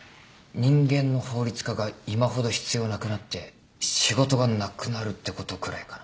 人間の法律家が今ほど必要なくなって仕事がなくなるってことくらいかな。